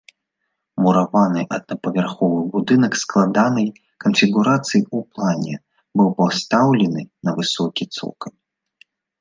Мураваны аднапавярховы будынак складанай канфігурацыі ў плане, быў пастаўлены на высокі цокаль.